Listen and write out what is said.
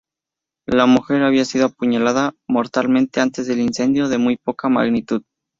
La mujer había sido apuñalada mortalmente antes del incendio, de muy poca magnitud.